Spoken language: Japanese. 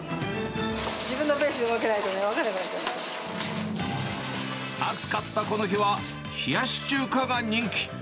自分のペースで動けないとね、暑かったこの日は、冷やし中華が人気。